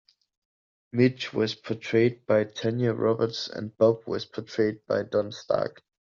Midge was portrayed by Tanya Roberts, and Bob was portrayed by Don Stark.